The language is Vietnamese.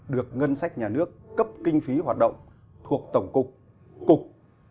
được ngân sách nhà nước cấp kinh phí hoạt động thuộc tổng cục cục